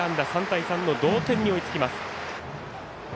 ３対３の同点に追いつきます。